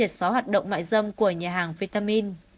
xóa hoạt động mại dâm của nhà hàng vitamin